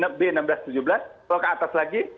enam b enam belas tujuh belas kalau ke atas lagi